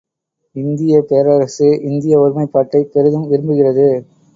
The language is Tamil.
இந்தியப் பேரரசு இந்திய ஒருமைப்பாட்டைப் பெரிதும் விரும்புகிறது.